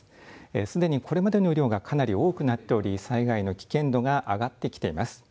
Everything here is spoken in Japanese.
すでに、これまでの雨量がかなり多くなっており災害の危険度が上がってきています。